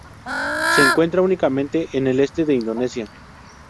Se encuentra únicamente en el este de Indonesia.